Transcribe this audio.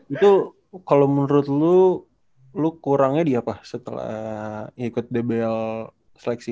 itu kalau menurut lu lo kurangnya di apa setelah ikut dbl seleksi